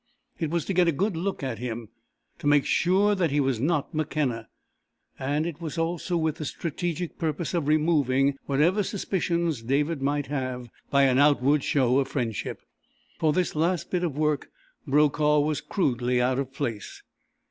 It was to get a good look at him to make sure that he was not McKenna; and it was also with the strategic purpose of removing whatever suspicions David might have by an outward show of friendship. For this last bit of work Brokaw was crudely out of place.